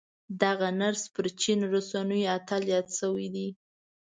دغه نرس پر چين رسنيو اتل ياد شوی دی.